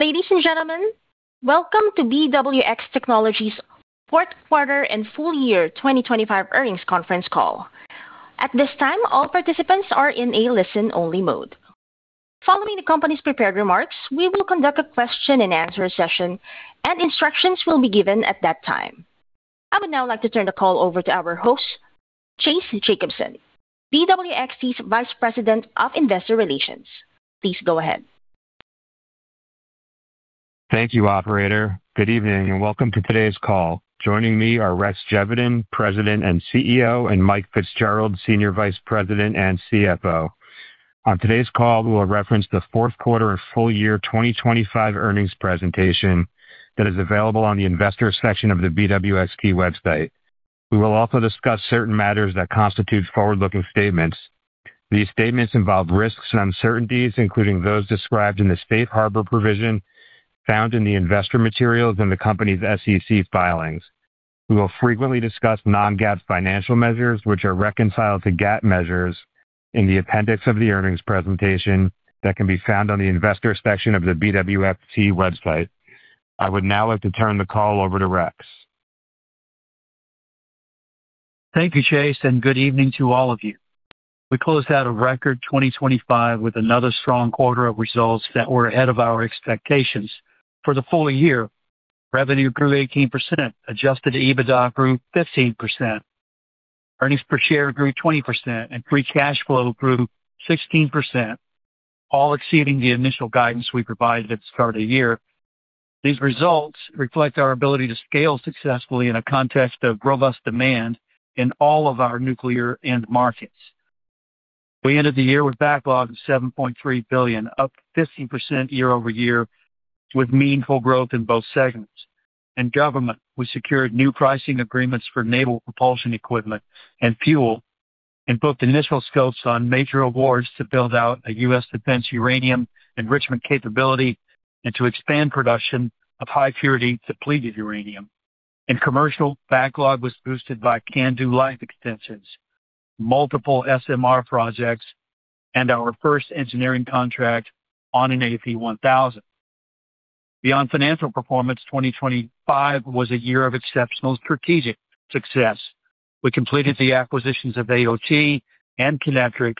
Ladies and gentlemen, welcome to BWX Technologies' fourth quarter and full year 2025 earnings conference call. At this time, all participants are in a listen-only mode. Following the company's prepared remarks, we will conduct a question-and-answer session. Instructions will be given at that time. I would now like to turn the call over to our host, Chase Jacobson, BWXT's Vice President of Investor Relations. Please go ahead. Thank you, operator. Good evening, and welcome to today's call. Joining me are Rex Geveden, President and CEO, and Mike Fitzgerald, Senior Vice President and CFO. On today's call, we will reference the fourth quarter and full year 2025 earnings presentation that is available on the investors section of the BWXT website. We will also discuss certain matters that constitute forward-looking statements. These statements involve risks and uncertainties, including those described in the safe harbor provision found in the investor materials and the company's SEC filings. We will frequently discuss non-GAAP financial measures, which are reconciled to GAAP measures in the appendix of the earnings presentation that can be found on the investor section of the BWXT website. I would now like to turn the call over to Rex. Thank you, Chase, and good evening to all of you. We closed out a record 2025 with another strong quarter of results that were ahead of our expectations. For the full year, revenue grew 18%, Adjusted EBITDA grew 15%, earnings per share grew 20%, and free cash flow grew 16%, all exceeding the initial guidance we provided at the start of the year. These results reflect our ability to scale successfully in a context of robust demand in all of our nuclear end markets. We ended the year with backlog of $7.3 billion, up 15% year-over-year, with meaningful growth in both segments. In government, we secured new pricing agreements for naval propulsion equipment and fuel, and booked initial scopes on major awards to build out a U.S. Defense uranium enrichment capability and to expand production of high-purity depleted uranium. In commercial, backlog was boosted by CANDU life extensions, multiple SMR projects, and our first engineering contract on an AP1000. Beyond financial performance, 2025 was a year of exceptional strategic success. We completed the acquisitions of AOT and Kinectrics,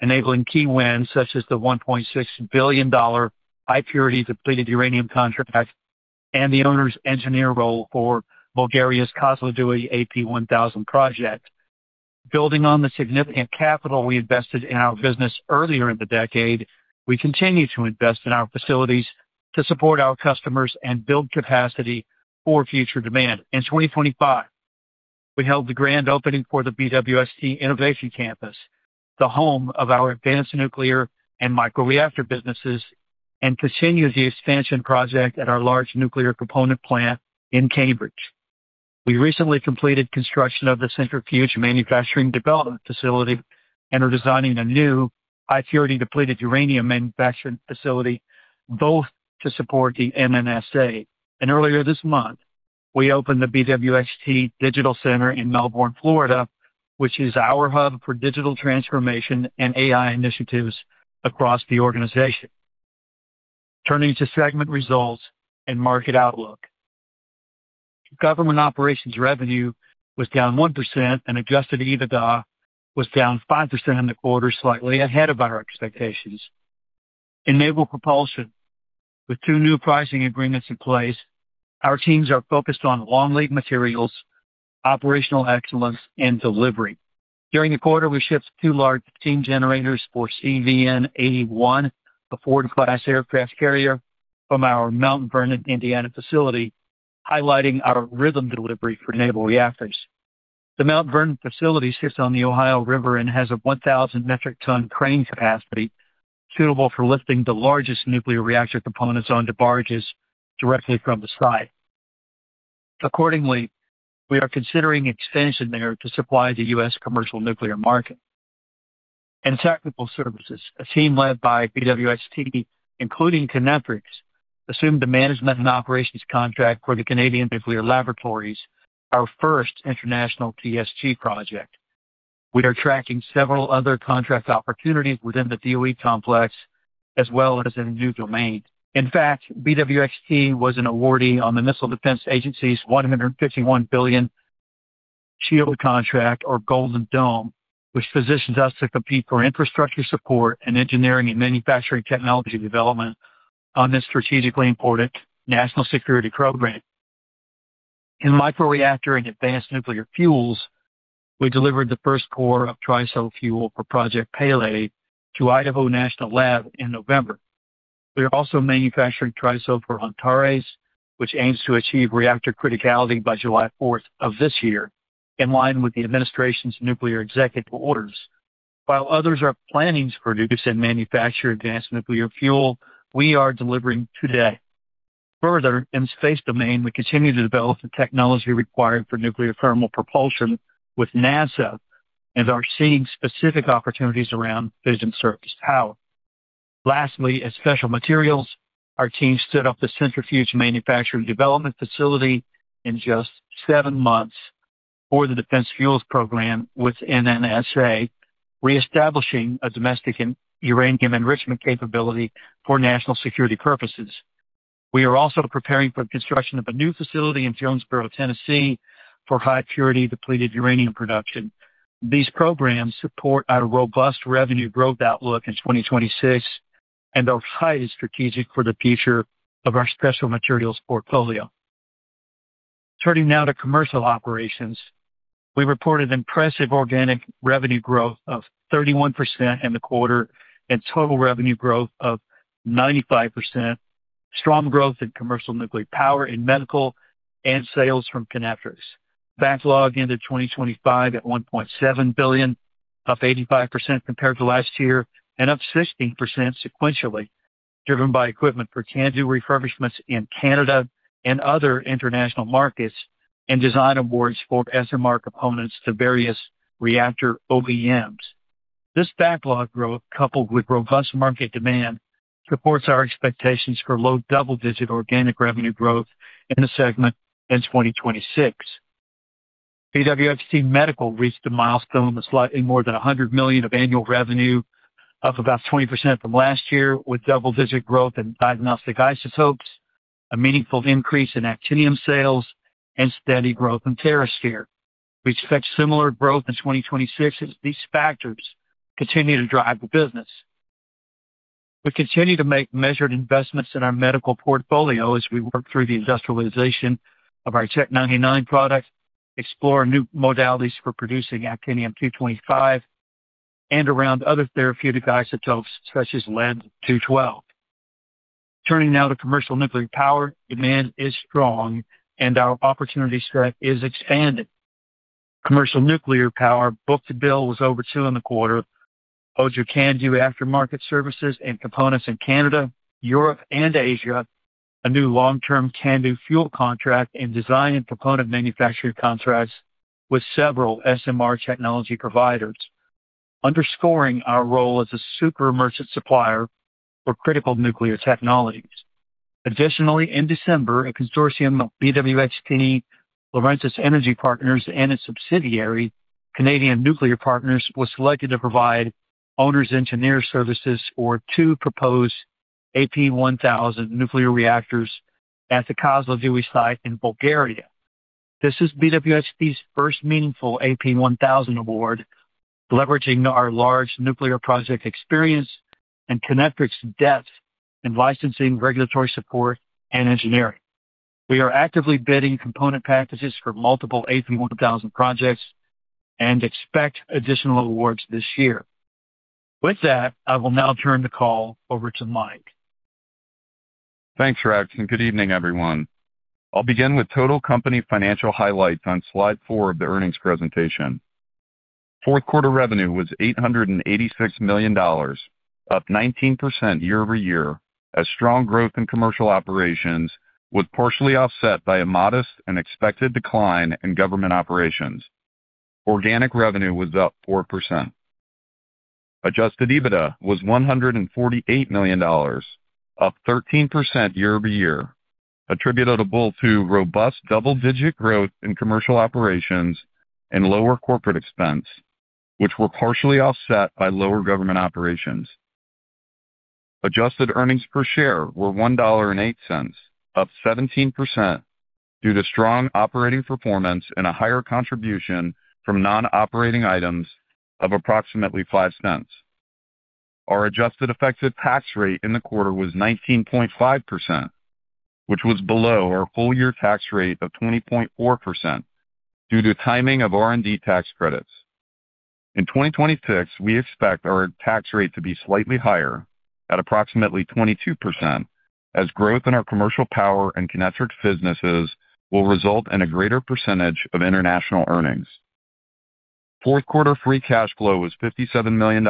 enabling key wins, such as the $1.6 billion high-purity depleted uranium contract and the owner's engineer role for Bulgaria's Kozloduy AP1000 project. Building on the significant capital we invested in our business earlier in the decade, we continue to invest in our facilities to support our customers and build capacity for future demand. In 2025, we held the grand opening for the BWXT Innovation Campus, the home of our advanced nuclear and microreactor businesses, and continued the expansion project at our large nuclear component plant in Cambridge. We recently completed construction of the Centrifuge Manufacturing Development Facility and are designing a new high-purity depleted uranium manufacturing facility, both to support the NNSA. Earlier this month, we opened the BWXT Digital Center in Melbourne, Florida, which is our hub for digital transformation and AI initiatives across the organization. Turning to segment results and market outlook. Government operations revenue was down 1%, and Adjusted EBITDA was down 5% in the quarter, slightly ahead of our expectations. In naval propulsion, with 2 new pricing agreements in place, our teams are focused on long lead materials, operational excellence, and delivery. During the quarter, we shipped 2 large steam generators for CVN-81, a Ford-class aircraft carrier, from our Mount Vernon, Indiana, facility, highlighting our rhythm delivery for naval reactors. The Mount Vernon facility sits on the Ohio River and has a 1,000 metric ton crane capacity, suitable for lifting the largest nuclear reactor components onto barges directly from the site. Accordingly, we are considering expansion there to supply the U.S. commercial nuclear market. In technical services, a team led by BWXT, including Kinectrics, assumed the management and operations contract for the Canadian Nuclear Laboratories, our first international TSG project. We are tracking several other contract opportunities within the DOE complex, as well as in new domains. In fact, BWXT was an awardee on the Missile Defense Agency's $151 billion shield contract, or Golden Dome, which positions us to compete for infrastructure support and engineering and manufacturing technology development on this strategically important national security program. In microreactor and advanced nuclear fuels, we delivered the first core of TRISO fuel for Project Pele to Idaho National Lab in November. We are also manufacturing TRISO for Antares, which aims to achieve reactor criticality by July 4th of this year, in line with the administration's nuclear executive orders. While others are planning to produce and manufacture advanced nuclear fuel, we are delivering today. Further, in the space domain, we continue to develop the technology required for nuclear thermal propulsion with NASA and are seeing specific opportunities around fission surface power. Lastly, in special materials, our team stood up the Centrifuge Manufacturing Development Facility in just 7 months. For the Defense Fuels Program with NNSA, reestablishing a domestic and uranium enrichment capability for national security purposes. We are also preparing for the construction of a new facility in Jonesborough, Tennessee, for high-purity depleted uranium production. These programs support our robust revenue growth outlook in 2026 and are highly strategic for the future of our special materials portfolio. Turning now to commercial operations. We reported impressive organic revenue growth of 31% in the quarter and total revenue growth of 95%, strong growth in commercial nuclear power and medical, and sales from Kinectrics. Backlog into 2025 at $1.7 billion, up 85% compared to last year and up 16% sequentially, driven by equipment for CANDU refurbishments in Canada and other international markets, and design awards for SMR components to various reactor OEMs. This backlog growth, coupled with robust market demand, supports our expectations for low double-digit organic revenue growth in the segment in 2026. BWXT Medical reached a milestone of slightly more than $100 million of annual revenue, up about 20% from last year, with double-digit growth in diagnostic isotopes, a meaningful increase in actinium sales, and steady growth in TheraSphere. We expect similar growth in 2026 as these factors continue to drive the business. We continue to make measured investments in our medical portfolio as we work through the industrialization of our Tech 99 product, explore new modalities for producing Actinium-225, and around other therapeutic isotopes, such as Lead-212. Turning now to commercial nuclear power, demand is strong, and our opportunity set is expanding. Commercial nuclear power book-to-bill was over two in the quarter, holds your CANDU aftermarket services and components in Canada, Europe, and Asia, a new long-term CANDU fuel contract and design and component manufacturer contracts with several SMR technology providers, underscoring our role as a super merchant supplier for critical nuclear technologies. Additionally, in December, a consortium of BWXT, Laurentis Energy Partners and its subsidiary, Canadian Nuclear Partners, was selected to provide owners engineer services for 2 proposed AP1000 nuclear reactors at the Kozloduy site in Bulgaria. This is BWXT's first meaningful AP1000 award, leveraging our large nuclear project experience and Kinectrics' depth in licensing, regulatory support, and engineering. We are actively bidding component packages for multiple AP1000 projects and expect additional awards this year. With that, I will now turn the call over to Mike. Thanks, Rex. Good evening, everyone. I'll begin with total company financial highlights on slide four of the earnings presentation. Fourth quarter revenue was $886 million, up 19% year-over-year, as strong growth in commercial operations was partially offset by a modest and expected decline in government operations. Organic revenue was up 4%. Adjusted EBITDA was $148 million, up 13% year-over-year, attributable to robust double-digit growth in commercial operations and lower corporate expense, which were partially offset by lower government operations. Adjusted earnings per share were $1.08, up 17%, due to strong operating performance and a higher contribution from non-operating items of approximately $0.05. Our adjusted effective tax rate in the quarter was 19.5%, which was below our full year tax rate of 20.4% due to timing of R&D tax credits. In 2026, we expect our tax rate to be slightly higher at approximately 22%, as growth in our commercial power and Kinectrics businesses will result in a greater percentage of international earnings. Fourth quarter free cash flow was $57 million,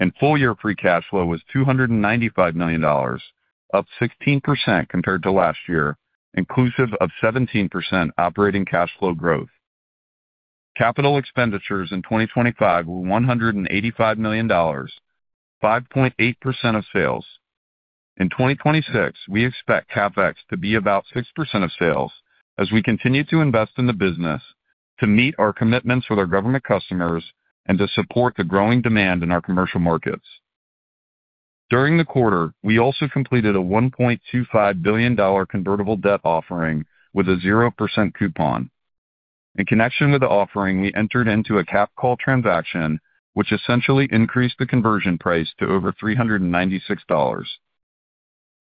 and full year free cash flow was $295 million, up 16% compared to last year, inclusive of 17% operating cash flow growth. Capital expenditures in 2025 were $185 million, 5.8% of sales. In 2026, we expect CapEx to be about 6% of sales as we continue to invest in the business to meet our commitments with our government customers and to support the growing demand in our commercial markets. During the quarter, we also completed a $1.25 billion convertible debt offering with a 0% coupon. In connection with the offering, we entered into a cap call transaction, which essentially increased the conversion price to over $396.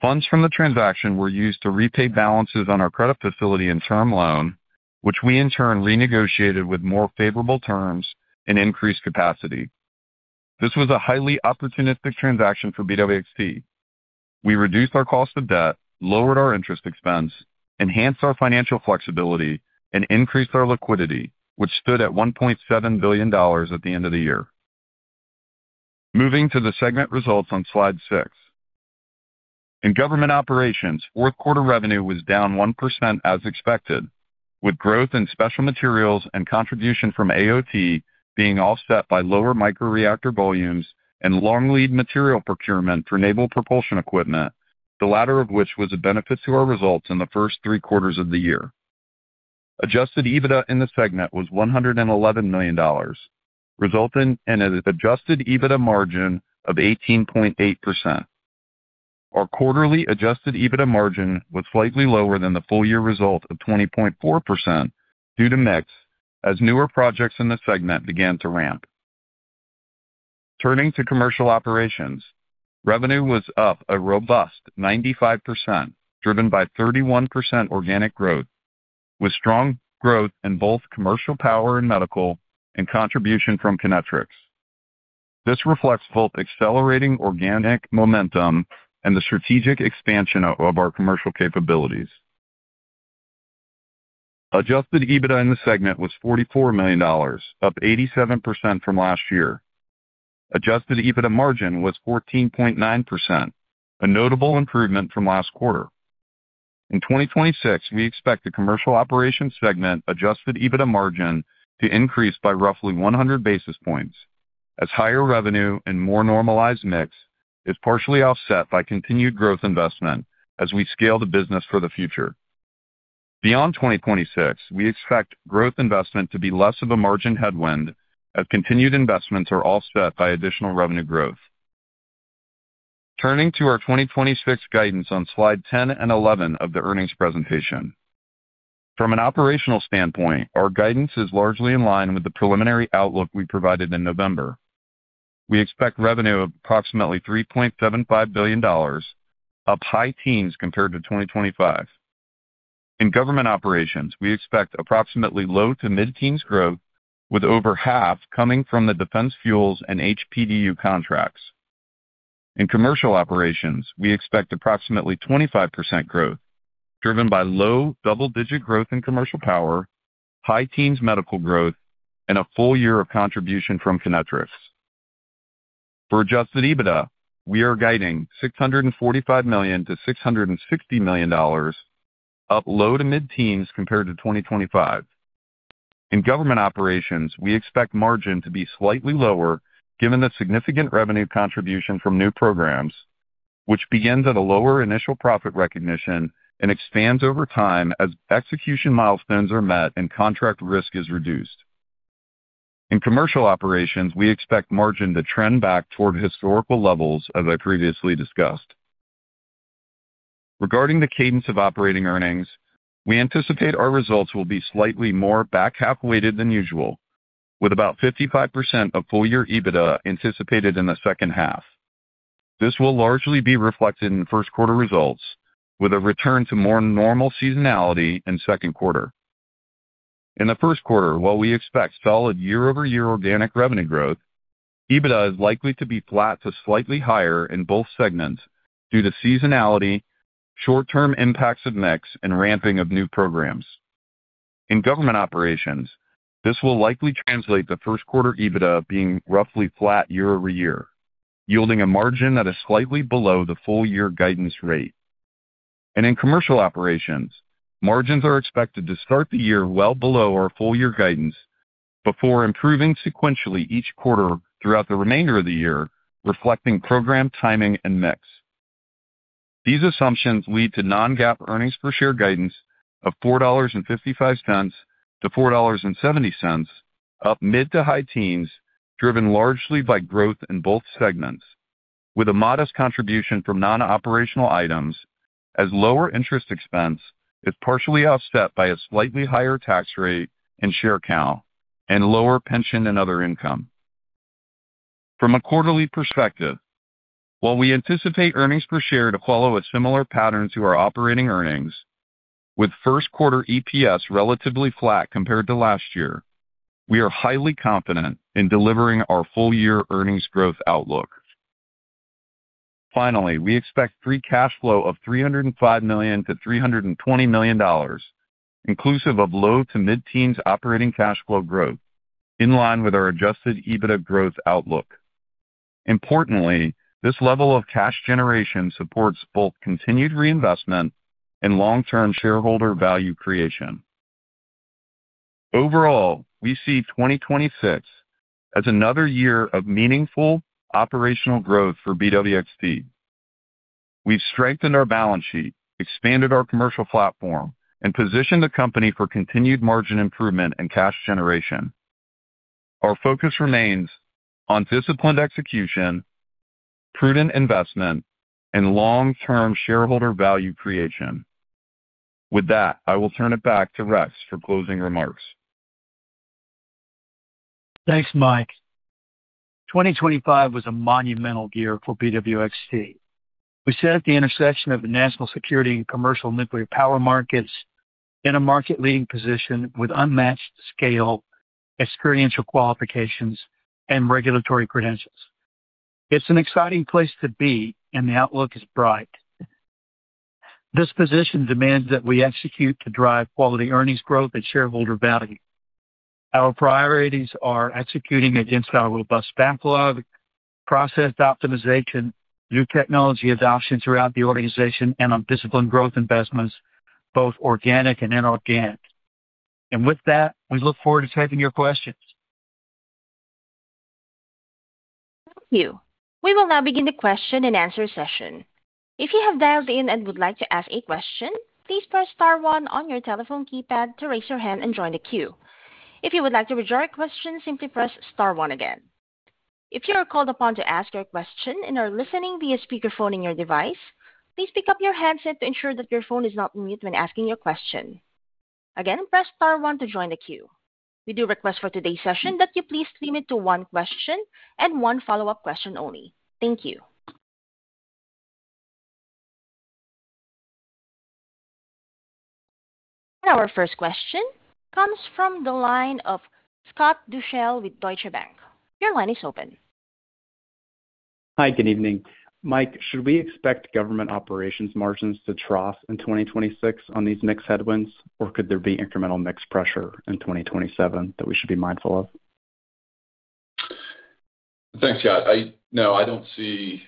Funds from the transaction were used to repay balances on our credit facility and term loan, which we in turn renegotiated with more favorable terms and increased capacity. This was a highly opportunistic transaction for BWXT. We reduced our cost of debt, lowered our interest expense, enhanced our financial flexibility, increased our liquidity, which stood at $1.7 billion at the end of the year. Moving to the segment results on slide 6. In government operations, fourth quarter revenue was down 1% as expected, with growth in special materials and contribution from AOT being offset by lower microreactor volumes and long lead material procurement for naval propulsion equipment, the latter of which was a benefit to our results in the first three quarters of the year. Adjusted EBITDA in the segment was $111 million, resulting in an Adjusted EBITDA margin of 18.8%. Our quarterly Adjusted EBITDA margin was slightly lower than the full year result of 20.4% due to mix, as newer projects in the segment began to ramp. Turning to commercial operations, revenue was up a robust 95%, driven by 31% organic growth, with strong growth in both commercial power and medical, and contribution from Kinectrics. This reflects both accelerating organic momentum and the strategic expansion of our commercial capabilities. Adjusted EBITDA in the segment was $44 million, up 87% from last year. Adjusted EBITDA margin was 14.9%, a notable improvement from last quarter. In 2026, we expect the commercial operations segment Adjusted EBITDA margin to increase by roughly 100 basis points, as higher revenue and more normalized mix is partially offset by continued growth investment as we scale the business for the future. Beyond 2026, we expect growth investment to be less of a margin headwind, as continued investments are offset by additional revenue growth. Turning to our 2026 guidance on slide 10 and 11 of the earnings presentation. From an operational standpoint, our guidance is largely in line with the preliminary outlook we provided in November. We expect revenue of approximately $3.75 billion, up high-teens compared to 2025. In government operations, we expect approximately low-to-mid-teens growth, with over half coming from the Defense Fuels and HPDU contracts. In commercial operations, we expect approximately 25% growth, driven by low-double-digit growth in commercial power, high-teens medical growth, and a full year of contribution from Kinectrics. For Adjusted EBITDA, we are guiding $645 million-$660 million, up low-to-mid-teens compared to 2025. In government operations, we expect margin to be slightly lower, given the significant revenue contribution from new programs, which begins at a lower initial profit recognition and expands over time as execution milestones are met and contract risk is reduced. In commercial operations, we expect margin to trend back toward historical levels, as I previously discussed. Regarding the cadence of operating earnings, we anticipate our results will be slightly more back-half weighted than usual, with about 55% of full-year EBITDA anticipated in the second half. This will largely be reflected in first quarter results, with a return to more normal seasonality in second quarter. In the first quarter, while we expect solid year-over-year organic revenue growth, EBITDA is likely to be flat to slightly higher in both segments due to seasonality, short-term impacts of mix, and ramping of new programs. In government operations, this will likely translate to first quarter EBITDA being roughly flat year-over-year, yielding a margin that is slightly below the full year guidance rate. In commercial operations, margins are expected to start the year well below our full year guidance before improving sequentially each quarter throughout the remainder of the year, reflecting program timing and mix. These assumptions lead to non-GAAP earnings per share guidance of $4.55-$4.70, up mid to high teens, driven largely by growth in both segments, with a modest contribution from non-operational items as lower interest expense is partially offset by a slightly higher tax rate and share count and lower pension and other income. From a quarterly perspective, while we anticipate earnings per share to follow a similar pattern to our operating earnings, with first quarter EPS relatively flat compared to last year, we are highly confident in delivering our full-year earnings growth outlook. Finally, we expect free cash flow of $305 million-$320 million, inclusive of low to mid-teens operating cash flow growth, in line with our Adjusted EBITDA growth outlook. Importantly, this level of cash generation supports both continued reinvestment and long-term shareholder value creation. Overall, we see 2026 as another year of meaningful operational growth for BWXT. We've strengthened our balance sheet, expanded our commercial platform, and positioned the company for continued margin improvement and cash generation. Our focus remains on disciplined execution, prudent investment, and long-term shareholder value creation. With that, I will turn it back to Rex for closing remarks. Thanks, Mike. 2025 was a monumental year for BWXT. We sit at the intersection of the national security and commercial nuclear power markets in a market-leading position with unmatched scale, experiential qualifications, and regulatory credentials. It's an exciting place to be, and the outlook is bright. This position demands that we execute to drive quality, earnings growth, and shareholder value. Our priorities are executing against our robust backlog, process optimization, new technology adoption throughout the organization, and on disciplined growth investments, both organic and inorganic. With that, we look forward to taking your questions. Thank you. We will now begin the question and answer session. If you have dialed in and would like to ask a question, please press star one on your telephone keypad to raise your hand and join the queue. If you would like to withdraw your question, simply press star one again. If you are called upon to ask your question and are listening via speakerphone in your device, please pick up your handset to ensure that your phone is not on mute when asking your question. Again, press star one to join the queue. We do request for today's session that you please limit to one question and one follow-up question only. Thank you. Our first question comes from the line of Scott Deuschle with Deutsche Bank. Your line is open. Hi, good evening. Mike, should we expect government operations margins to trough in 2026 on these mixed headwinds, or could there be incremental mix pressure in 2027 that we should be mindful of? Thanks, Scott. I, no, I don't see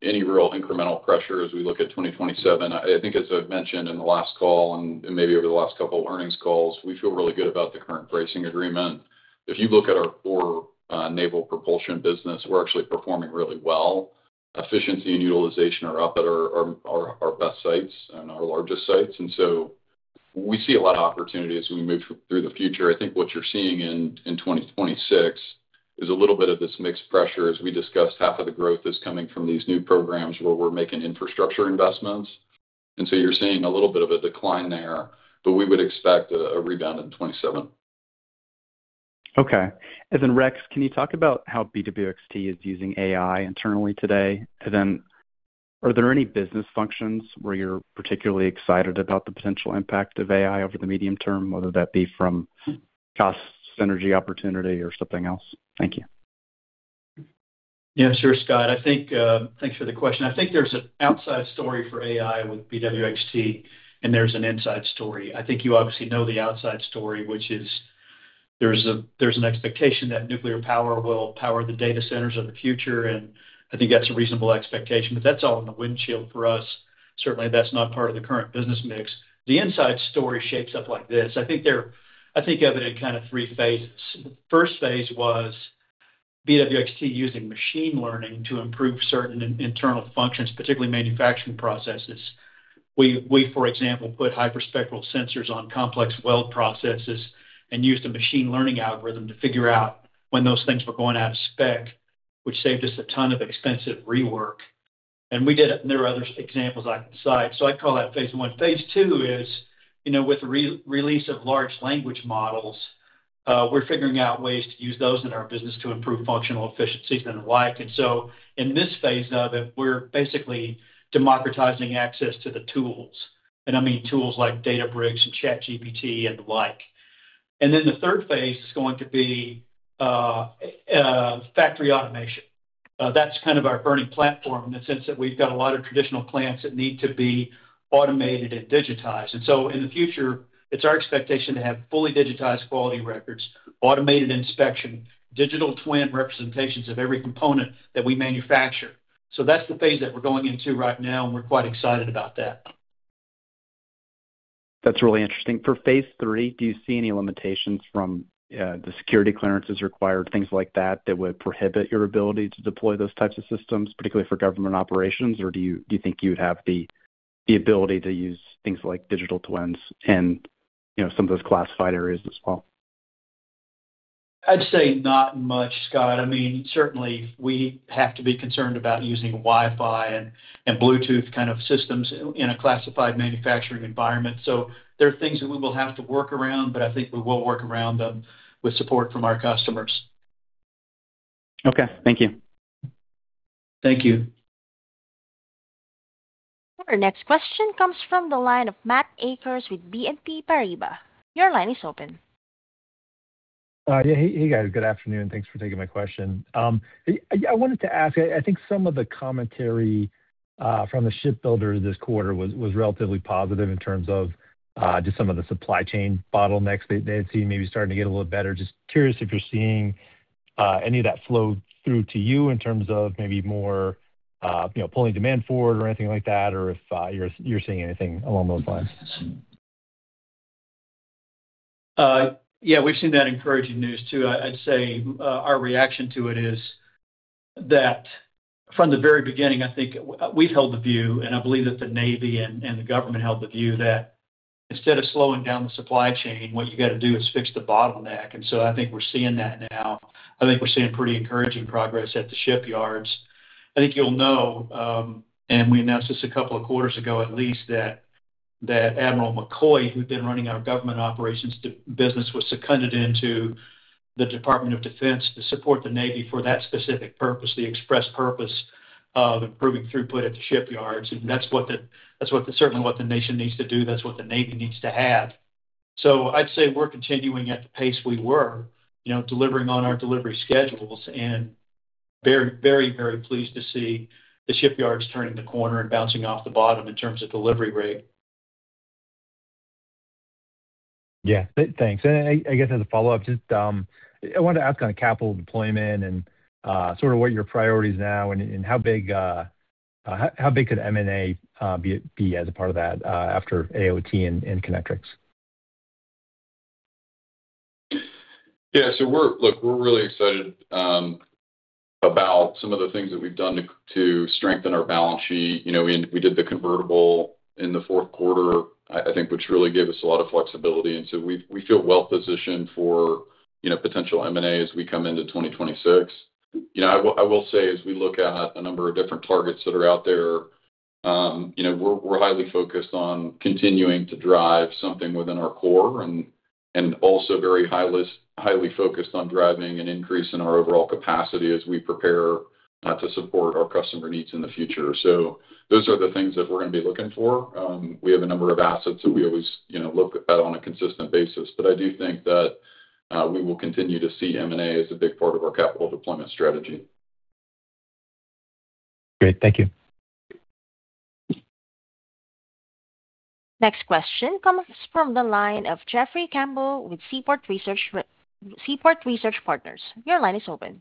any real incremental pressure as we look at 2027. I, I think as I've mentioned in the last call and, and maybe over the last couple of earnings calls, we feel really good about the current pricing agreement. If you look at our core naval propulsion business, we're actually performing really well. Efficiency and utilization are up at our best sites and our largest sites, and so we see a lot of opportunity as we move through the future. I think what you're seeing in 2026 is a little bit of this mixed pressure. As we discussed, half of the growth is coming from these new programs where we're making infrastructure investments, and so you're seeing a little bit of a decline there, but we would expect a rebound in 2027. Okay. Rex, can you talk about how BWXT is using AI internally today? Are there any business functions where you're particularly excited about the potential impact of AI over the medium term, whether that be from cost, synergy, opportunity, or something else? Thank you. Yeah, sure, Scott. I think, thanks for the question. I think there's an outside story for AI with BWXT, and there's an inside story. I think you obviously know the outside story, which is there's an expectation that nuclear power will power the data centers of the future, and I think that's a reasonable expectation, but that's all in the windshield for us. Certainly, that's not part of the current business mix. The inside story shapes up like this: I think there are, I think of it in kind of three phases. The first phase was BWXT using machine learning to improve certain in-internal functions, particularly manufacturing processes. We, for example, put hyperspectral sensors on complex weld processes and used a machine learning algorithm to figure out when those things were going out of spec, which saved us a ton of expensive rework. We did it, and there are other examples I can cite, so I'd call that phase one. Phase two is, you know, with re-release of large language models, we're figuring out ways to use those in our business to improve functional efficiencies and the like. In this phase of it, we're basically democratizing access to the tools, I mean tools like Databricks and ChatGPT and the like. The third phase is going to be factory automation. That's kind of our burning platform in the sense that we've got a lot of traditional plants that need to be automated and digitized. In the future, it's our expectation to have fully digitized quality records, automated inspection, digital twin representations of every component that we manufacture. That's the phase that we're going into right now, and we're quite excited about that. That's really interesting. For Phase III, do you see any limitations from, the security clearances required, things like that, that would prohibit your ability to deploy those types of systems, particularly for government operations? Or do you, do you think you would have the, the ability to use things like digital twins and, you know, some of those classified areas as well? I'd say not much, Scott. I mean, certainly we have to be concerned about using Wi-Fi and, and Bluetooth kind of systems in a classified manufacturing environment. There are things that we will have to work around, but I think we will work around them with support from our customers. Okay, thank you. Thank you. Our next question comes from the line of Matt Akers with BNP Paribas. Your line is open. Yeah. Hey, guys. Good afternoon. Thanks for taking my question. I, I wanted to ask, I, I think some of the commentary from the shipbuilder this quarter was, was relatively positive in terms of just some of the supply chain bottlenecks they, they had seen maybe starting to get a little better. Just curious if you're seeing any of that flow through to you in terms of maybe more, you know, pulling demand forward or anything like that, or if you're, you're seeing anything along those lines. Yeah, we've seen that encouraging news, too. I, I'd say, our reaction to it is that from the very beginning, I think we've held the view, and I believe that the Navy and, and the government held the view that instead of slowing down the supply chain, what you got to do is fix the bottleneck, and so I think we're seeing that now. I think we're seeing pretty encouraging progress at the shipyards. I think you'll know, and we announced this a couple of quarters ago at least, that, that Admiral McCoy, who'd been running our government operations business, was seconded into the Department of Defense to support the Navy for that specific purpose, the express purpose of improving throughput at the shipyards. That's what the-- that's what the certainly what the nation needs to do. That's what the Navy needs to have. I'd say we're continuing at the pace we were, you know, delivering on our delivery schedules and very, very, very pleased to see the shipyards turning the corner and bouncing off the bottom in terms of delivery rate. Yeah. Thanks. I, I guess as a follow-up, just, I wanted to ask on capital deployment and sort of what your priority is now and how big, how big could M&A be as a part of that after AOT and Kinectrics? Yeah, so look, we're really excited about some of the things that we've done to strengthen our balance sheet. You know, we, we did the convertible in the fourth quarter, I think, which really gave us a lot of flexibility. So we, we feel well-positioned for, you know, potential M&A as we come into 2026. You know, I will say, as we look at a number of different targets that are out there, you know, we're highly focused on continuing to drive something within our core and also very highly focused on driving an increase in our overall capacity as we prepare to support our customer needs in the future. So those are the things that we're gonna be looking for. We have a number of assets that we always, you know, look at on a consistent basis, but I do think that we will continue to see M&A as a big part of our capital deployment strategy. Great. Thank you. Next question comes from the line of Jeffrey Campbell with Seaport Research Partners. Your line is open.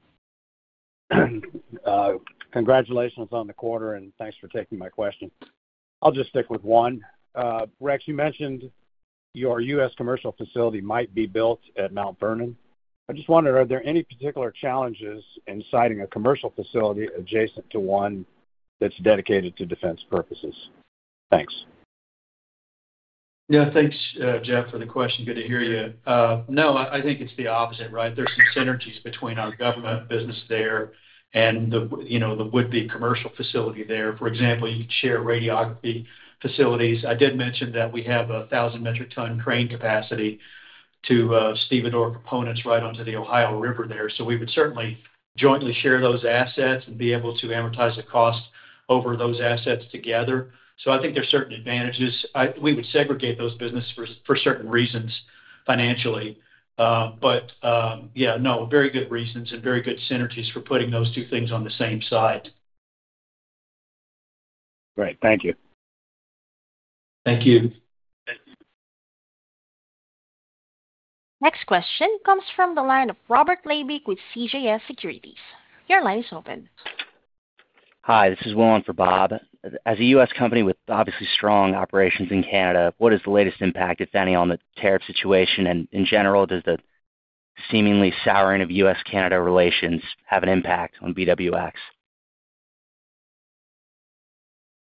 Congratulations on the quarter, and thanks for taking my question. I'll just stick with one. Rex, you mentioned your U.S. commercial facility might be built at Mount Vernon. I just wondered, are there any particular challenges in siting a commercial facility adjacent to one that's dedicated to defense purposes? Thanks. Yeah. Thanks, Jeff, for the question. Good to hear you. No, I, I think it's the opposite, right? There's some synergies between our government business there and the, you know, the would-be commercial facility there. For example, you'd share radiography facilities. I did mention that we have a 1,000 metric ton crane capacity to stevedore components right onto the Ohio River there. We would certainly jointly share those assets and be able to amortize the cost over those assets together. I think there's certain advantages. We would segregate those businesses for, for certain reasons, financially. Yeah, no, very good reasons and very good synergies for putting those two things on the same site. Great. Thank you. Thank you. Next question comes from the line of Robert Labick with CJS Securities. Your line is open. Hi, this is Will in for Bob. As a U.S. company with obviously strong operations in Canada, what is the latest impact, if any, on the tariff situation? In general, does the seemingly souring of U.S.-Canada relations have an impact on BWX?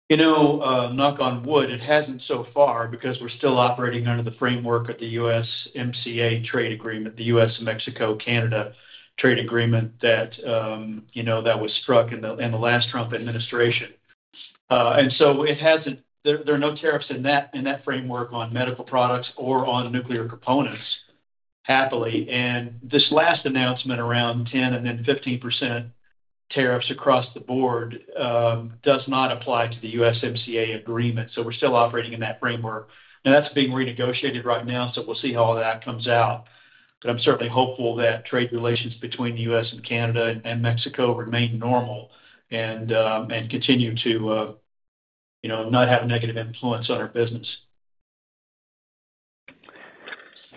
You know, knock on wood, it hasn't so far because we're still operating under the framework of the USMCA trade agreement, the US, Mexico, Canada trade agreement, that, you know, that was struck in the, in the last Trump administration. There, there are no tariffs in that, in that framework on medical products or on nuclear components, happily. This last announcement, around 10 and then 15% tariffs across the board, does not apply to the USMCA agreement, so we're still operating in that framework. Now, that's being renegotiated right now, so we'll see how that comes out. I'm certainly hopeful that trade relations between the U.S. and Canada and Mexico remain normal and continue to, you know, not have a negative influence on our business.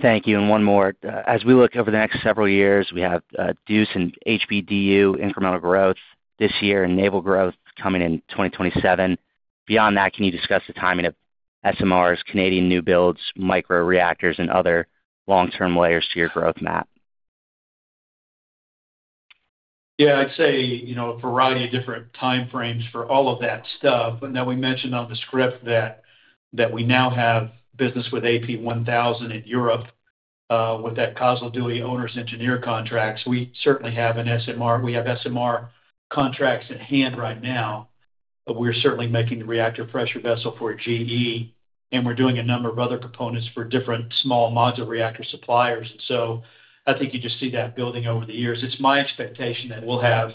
Thank you. One more: As we look over the next several years, we have DEUC and HPDU incremental growth this year and naval growth coming in 2027. Beyond that, can you discuss the timing of SMRs, Canadian new builds, micro reactors, and other long-term layers to your growth map? Yeah, I'd say, you know, a variety of different time frames for all of that stuff. Then we mentioned on the script that, that we now have business with AP1000 in Europe, with that Kozloduy owner's engineer contracts. We certainly have an SMR. We have SMR contracts at hand right now, but we're certainly making the reactor pressure vessel for GE, and we're doing a number of other components for different small modular reactor suppliers. So I think you just see that building over the years. It's my expectation that we'll have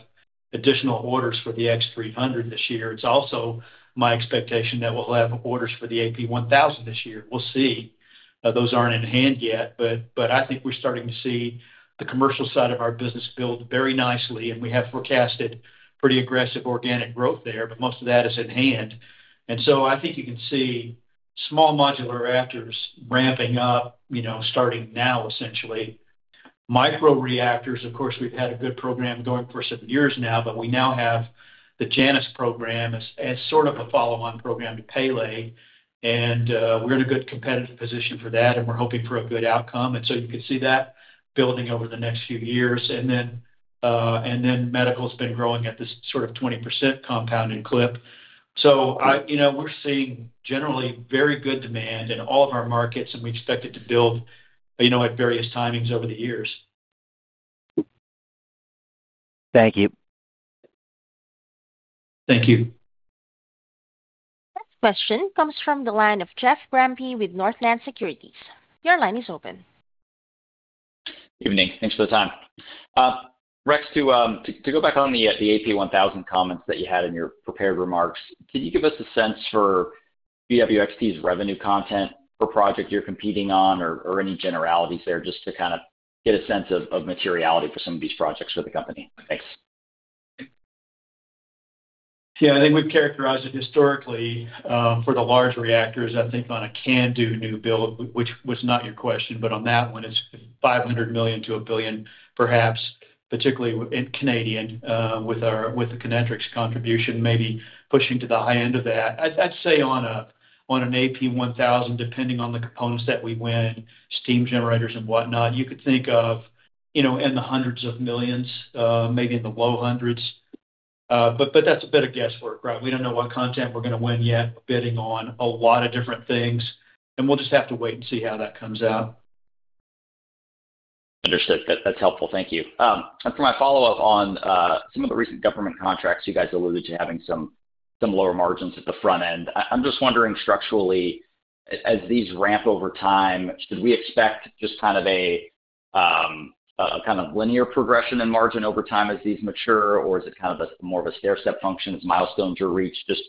additional orders for the BWRX-300 this year. It's also my expectation that we'll have orders for the AP1000 this year. We'll see. Those aren't in hand yet, but I think we're starting to see the commercial side of our business build very nicely, and we have forecasted pretty aggressive organic growth there, but most of that is in hand. I think you can see small modular reactors ramping up, you know, starting now, essentially. Microreactors, of course, we've had a good program going for several years now, but we now have the Janus program as, as sort of a follow-on program to Pele, and we're in a good competitive position for that, and we're hoping for a good outcome. You can see that building over the next few years. Medical's been growing at this sort of 20% compounded clip. you know, we're seeing generally very good demand in all of our markets, and we expect it to build, you know, at various timings over the years. Thank you. Thank you. Next question comes from the line of Jeff Grampp with Northland Securities. Your line is open. Evening. Thanks for the time. Rex, to, to, to go back on the, the AP1000 comments that you had in your prepared remarks, can you give us a sense for BWXT's revenue content per project you're competing on or, or any generalities there, just to kind of get a sense of, of materiality for some of these projects for the company? Thanks. Yeah, I think we've characterized it historically, for the large reactors, I think on a CANDU new build, which was not your question, but on that one, it's 500 million to 1 billion, perhaps. particularly in Canadian, with our, with the Kinectrics contribution, maybe pushing to the high end of that. I'd say on an AP1000, depending on the components that we win, steam generators and whatnot, you could think of, you know, in the hundreds of millions of dollars, maybe in the low hundreds of millions of dollars. But that's a bit of guesswork, right? We don't know what content we're gonna win yet. We're bidding on a lot of different things, and we'll just have to wait and see how that comes out. Understood. That, that's helpful. Thank you. For my follow-up on some of the recent government contracts, you guys alluded to having some, some lower margins at the front end. I, I'm just wondering structurally, as these ramp over time, should we expect just kind of a kind of linear progression in margin over time as these mature? Or is it kind of a more of a stair-step function as milestones are reached? Just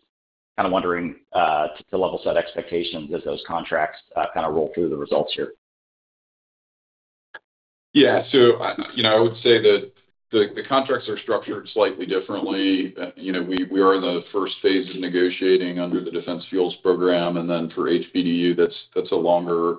kind of wondering to, to level set expectations as those contracts kind of roll through the results here. I, you know, I would say that the, the contracts are structured slightly differently. You know, we, we are in the first phase of negotiating under the Defense Fuels Program, and then for HPDU, that's, that's a longer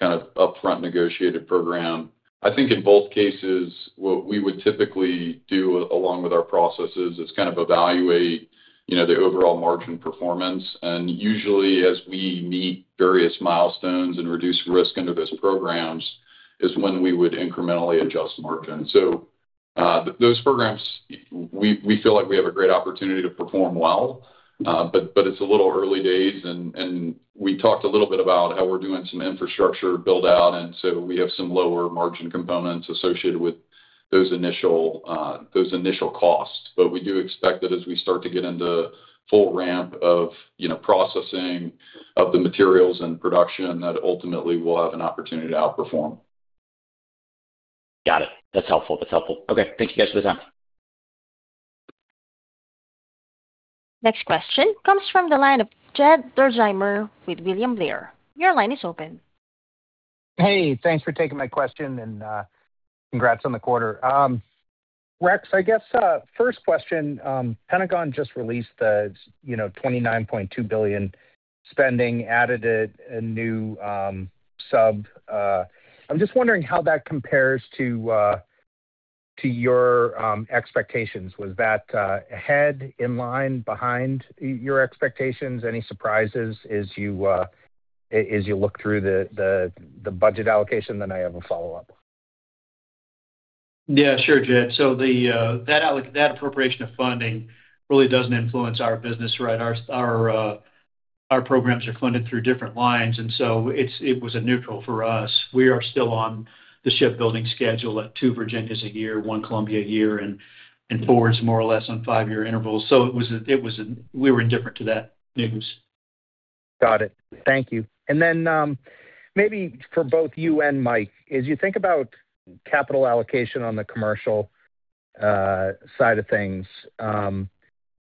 kind of upfront negotiated program. I think in both cases, what we would typically do, along with our processes, is kind of evaluate, you know, the overall margin performance. Usually, as we meet various milestones and reduce risk into those programs, is when we would incrementally adjust margin. Those programs, we, we feel like we have a great opportunity to perform well, but, but it's a little early days and, and we talked a little bit about how we're doing some infrastructure build-out, and so we have some lower margin components associated with those initial, those initial costs. We do expect that as we start to get into full ramp of, you know, processing of the materials and production, that ultimately we'll have an opportunity to outperform. Got it. That's helpful. That's helpful. Okay, thank you, guys, for the time. Next question comes from the line of Jed Dorsheimer with William Blair. Your line is open. Hey, thanks for taking my question, and congrats on the quarter. Rex, I guess, first question, Pentagon just released the, you know, $29.2 billion spending, added a, a new, sub... I'm just wondering how that compares to, to your expectations. Was that ahead, in line, behind your expectations? Any surprises as you, as you look through the, the, the budget allocation? I have a follow-up. Yeah, sure, Jed. The, that appropriation of funding really doesn't influence our business, right? Our, our programs are funded through different lines, it's, it was a neutral for us. We are still on the shipbuilding schedule at 2 Virginias a year, 1 Columbia a year, and, and 4 is more or less on 5-year intervals. It was a, it was a, we were indifferent to that news. Got it. Thank you. Maybe for both you and Mike, as you think about capital allocation on the commercial side of things,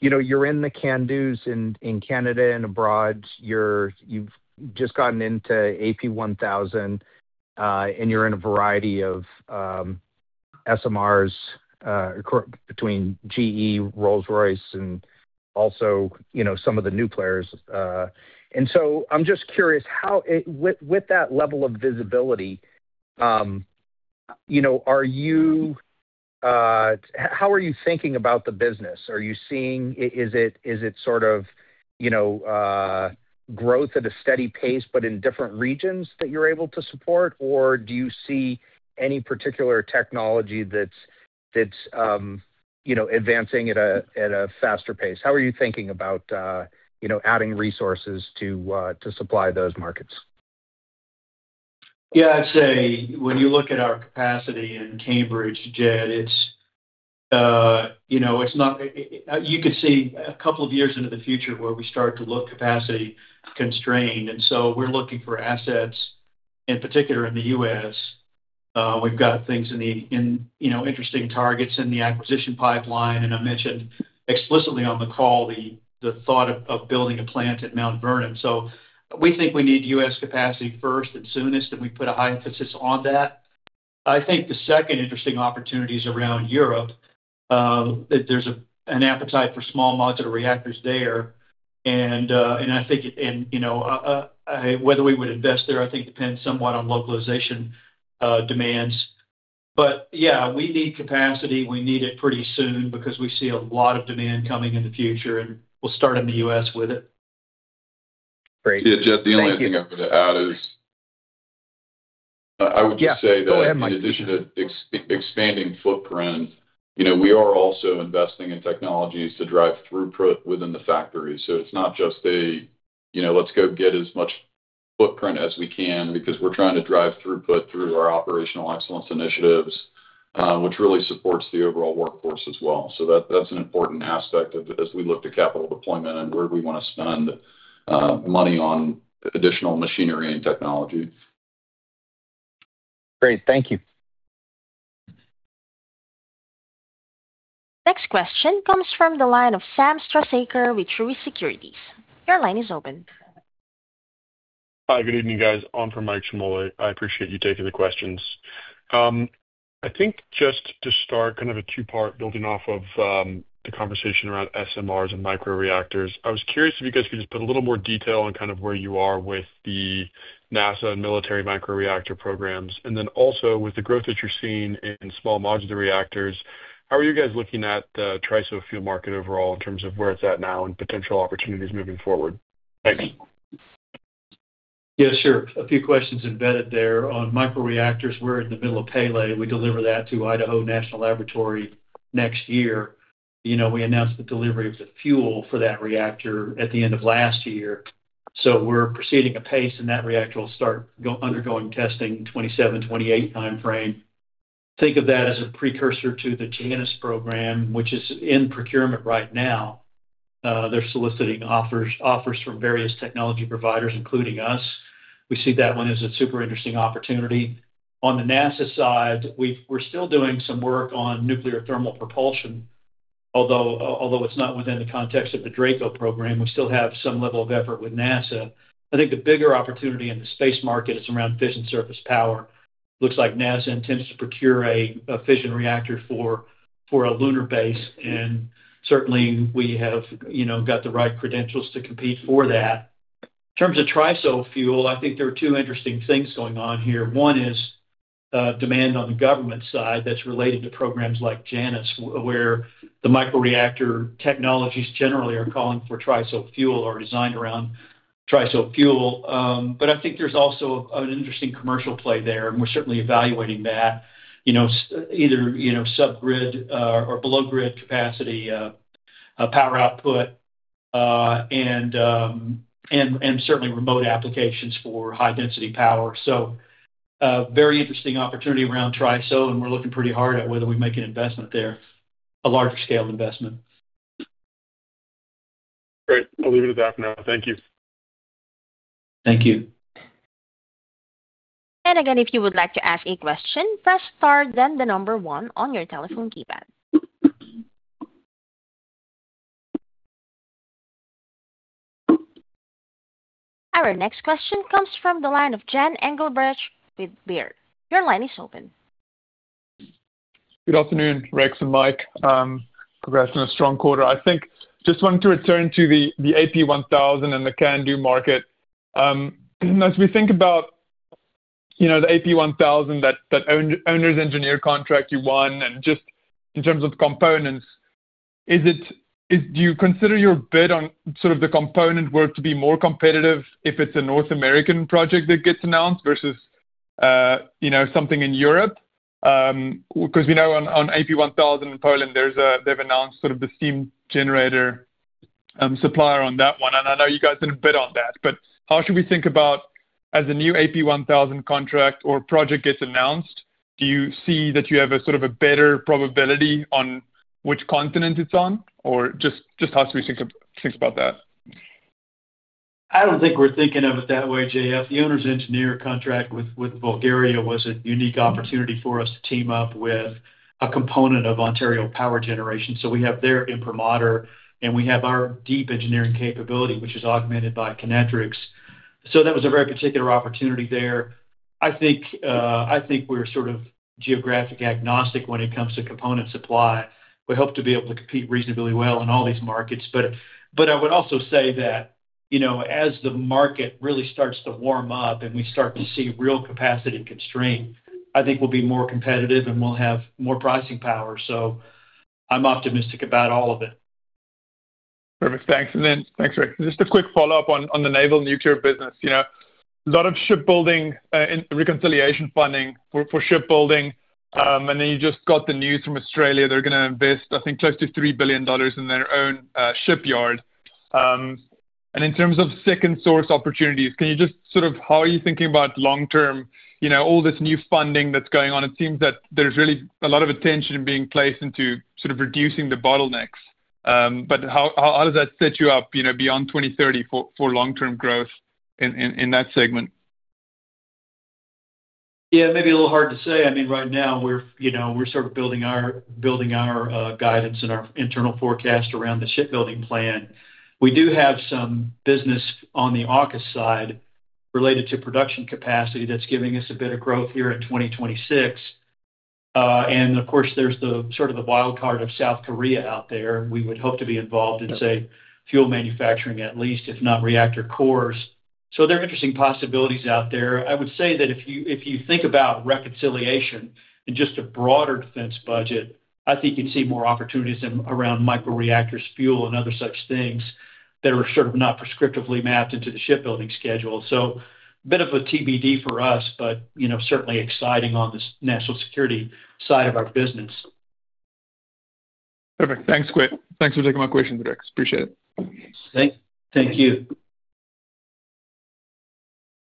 you know, you're in the CANDU in, in Canada and abroad. You're -- you've just gotten into AP1000, and you're in a variety of SMRs, between GE, Rolls-Royce, and also, you know, some of the new players. I'm just curious, how, with, with that level of visibility, you know, are you... How are you thinking about the business? Are you seeing, i-is it, is it sort of, you know, growth at a steady pace, but in different regions that you're able to support? Or do you see any particular technology that's, that's, you know, advancing at a, at a faster pace? How are you thinking about, you know, adding resources to, to supply those markets? Yeah, I'd say when you look at our capacity in Cambridge, Jed, it's, you know, it's not. You could see a couple of years into the future where we start to look capacity constrained, and so we're looking for assets, in particular, in the US. We've got things in, you know, interesting targets in the acquisition pipeline, and I mentioned explicitly on the call the thought of building a plant at Mount Vernon. We think we need US capacity first and soonest, and we put a high emphasis on that. I think the second interesting opportunity is around Europe, that there's an appetite for small modular reactors there. I think, you know, whether we would invest there, I think depends somewhat on localization demands. Yeah, we need capacity. We need it pretty soon because we see a lot of demand coming in the future, and we'll start in the U.S. with it. Great. Yeah, Jed, the only thing I'm going to add is, I would just say that- Yeah. Go ahead, Mike.... in addition to expanding footprint, you know, we are also investing in technologies to drive throughput within the factory. It's not just a, you know, let's go get as much footprint as we can, because we're trying to drive throughput through our operational excellence initiatives, which really supports the overall workforce as well. That, that's an important aspect of, as we look to capital deployment and where we want to spend money on additional machinery and technology. Great. Thank you. Next question comes from the line of Samuel Struhsaker with Truist Securities. Your line is open. Hi, good evening, guys. On for Michael Ciarmoli. I appreciate you taking the questions. I think just to start, kind of a two-part, building off of the conversation around SMRs and microreactors. I was curious if you guys could just put a little more detail on kind of where you are with the NASA and military microreactor programs, and then also with the growth that you're seeing in small modular reactors, how are you guys looking at the TRISO fuel market overall in terms of where it's at now and potential opportunities moving forward? Thanks. Yeah, sure. A few questions embedded there. On microreactors, we're in the middle of Pele. We deliver that to Idaho National Laboratory next year. You know, we announced the delivery of the fuel for that reactor at the end of last year, so we're proceeding apace, and that reactor will start undergoing testing, 2027, 2028 timeframe. Think of that as a precursor to the Janus program, which is in procurement right now. They're soliciting offers, offers from various technology providers, including us. We see that one as a super interesting opportunity. On the NASA side, we're still doing some work on nuclear thermal propulsion, although it's not within the context of the DRACO program, we still have some level of effort with NASA. I think the bigger opportunity in the space market is around fission surface power. Looks like NASA intends to procure a fission reactor for a lunar base. Certainly we have, you know, got the right credentials to compete for that. In terms of TRISO fuel, I think there are two interesting things going on here. One is demand on the government side that's related to programs like Project Janus, where the microreactor technologies generally are calling for TRISO fuel or designed around TRISO fuel. I think there's also an interesting commercial play there, and we're certainly evaluating that. You know, either, you know, sub-grid or below-grid capacity, power output, and certainly remote applications for high-density power. A very interesting opportunity around TRISO, and we're looking pretty hard at whether we make an investment there, a larger scale investment. Great. I'll leave it at that for now. Thank you. Thank you. Again, if you would like to ask a question, press star, then the 1 on your telephone keypad. Our next question comes from the line of Jan Engelbrecht with Baird. Your line is open. Good afternoon, Rex and Mike. Progressing a strong quarter. I think just wanted to return to the, the AP1000 and the CANDU market. As we think about, you know, the AP1000 that, that owner, owner's engineer contract you won, and just in terms of components, do you consider your bid on sort of the component work to be more competitive if it's a North American project that gets announced versus, you know, something in Europe? Because, you know, on, on AP1000 in Poland, there's they've announced sort of the steam generator, supplier on that one, and I know you guys didn't bid on that. How should we think about as a new AP1000 contract or project gets announced, do you see that you have a sort of a better probability on which continent it's on? Or just, just how should we think think about that? I don't think we're thinking of it that way, J.F. The owner's engineer contract with, with Bulgaria was a unique opportunity for us to team up with a component of Ontario Power Generation. We have their imprimatur, and we have our deep engineering capability, which is augmented by Kinectrics. That was a very particular opportunity there. I think, I think we're sort of geographic agnostic when it comes to component supply. We hope to be able to compete reasonably well in all these markets. But I would also say that, you know, as the market really starts to warm up and we start to see real capacity constraint, I think we'll be more competitive and we'll have more pricing power. I'm optimistic about all of it. Perfect. Thanks. Thanks, Rex. Just a quick follow-up on the naval nuclear business. You know, a lot of shipbuilding, and reconciliation funding for shipbuilding, and then you just got the news from Australia. They're gonna invest, I think, close to $3 billion in their own shipyard. In terms of second source opportunities, can you just sort of how are you thinking about long term, you know, all this new funding that's going on, it seems that there's really a lot of attention being placed into sort of reducing the bottlenecks? How does that set you up, you know, beyond 2030 for long-term growth in that segment? Yeah, maybe a little hard to say. I mean, right now we're, you know, we're sort of building our, building our guidance and our internal forecast around the shipbuilding plan. We do have some business on the AUKUS side related to production capacity that's giving us a bit of growth here in 2026. Of course, there's the sort of the wild card of South Korea out there. We would hope to be involved in, say, fuel manufacturing at least, if not reactor cores. There are interesting possibilities out there. I would say that if you, if you think about reconciliation and just a broader defense budget, I think you'd see more opportunities around microreactors, fuel, and other such things that are sort of not prescriptively mapped into the shipbuilding schedule. A bit of a TBD for us, but, you know, certainly exciting on the national security side of our business. Perfect. Thanks, Rex. Thanks for taking my questions, Rex. Appreciate it. Thank you.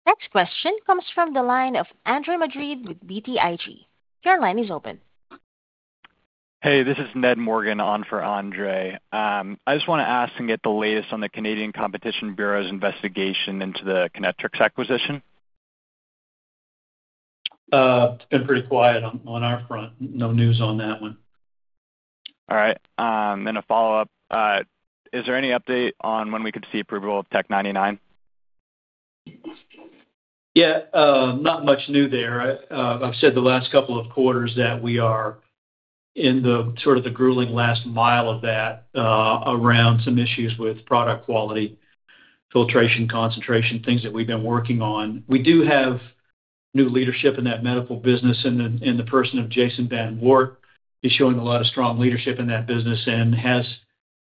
Next question comes from the line of Andre Madrid with BTIG. Your line is open. Hey, this is Ned Morgan on for Andre. I just want to ask and get the latest on the Canadian Competition Bureau's investigation into the Kinectrics acquisition. It's been pretty quiet on, on our front. No news on that one. All right. A follow-up. Is there any update on when we could see approval of Tech 99? Yeah, not much new there. I've said the last couple of quarters that we are in the sort of the grueling last mile of that, around some issues with product quality, filtration, concentration, things that we've been working on. We do have new leadership in that medical business, and the, and the person of Jason Van Wart is showing a lot of strong leadership in that business and has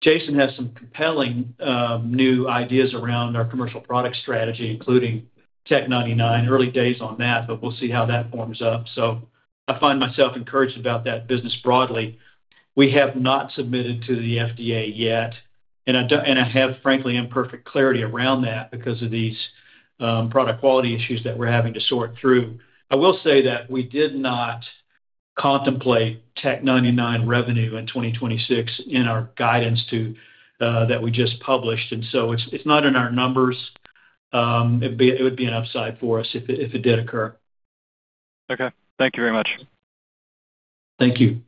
Jason has some compelling new ideas around our commercial product strategy, including Tech 99. Early days on that, but we'll see how that forms up. I find myself encouraged about that business broadly. We have not submitted to the FDA yet, and I don't and I have, frankly, imperfect clarity around that because of these product quality issues that we're having to sort through. I will say that we did not contemplate Tech 99 revenue in 2026 in our guidance to that we just published, and so it's, it's not in our numbers. It'd be, it would be an upside for us if it, if it did occur. Okay. Thank you very much. Thank you.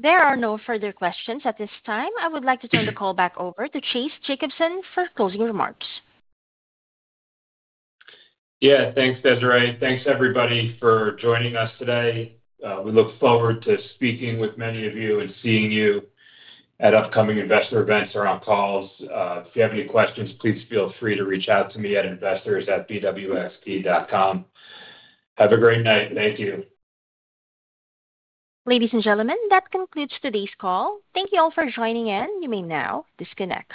There are no further questions at this time. I would like to turn the call back over to Chase Jacobson for closing remarks. Yeah, thanks, Desiree. Thanks, everybody, for joining us today. We look forward to speaking with many of you and seeing you at upcoming investor events or on calls. If you have any questions, please feel free to reach out to me at investors@bwxt.com. Have a great night. Thank you. Ladies and gentlemen, that concludes today's call. Thank you all for joining in. You may now disconnect.